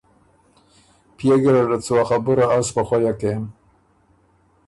پئے ګیرډت سُو ا خبُره از په خوَیه کېم